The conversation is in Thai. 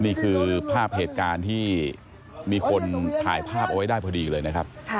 นี่คือภาพเหตุการณ์ที่มีคนถ่ายภาพเอาไว้ได้พอดีเลยนะครับ